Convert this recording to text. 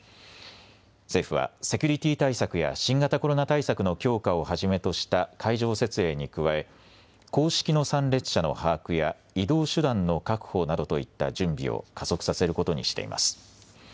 政府は、セキュリティー対策や新型コロナ対策の強化をはじめとした会場設営に加え、公式の参列者の把握や、移動手段の確保などといった準備を加速させることにしています。